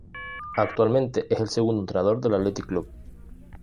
Actualmente es el segundo entrenador del Athletic Club.